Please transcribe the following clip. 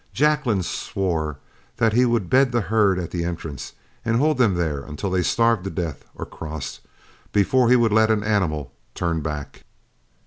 Jacklin swore that he would bed that herd at the entrance, and hold them there until they starved to death or crossed, before he would let an animal turn back.